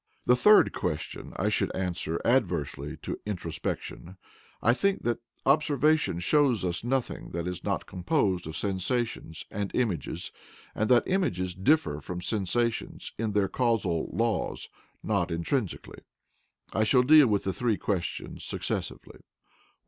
The third question I should answer adversely to introspection I think that observation shows us nothing that is not composed of sensations and images, and that images differ from sensations in their causal laws, not intrinsically. I shall deal with the three questions successively.